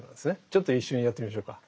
ちょっと一緒にやってみましょうか。